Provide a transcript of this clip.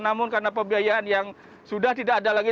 namun karena pembiayaan yang sudah tidak ada lagi